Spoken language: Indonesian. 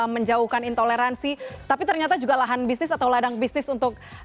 menjauhkan intoleransi tapi ternyata juga lahan bisnis atau ladang bisnis untuk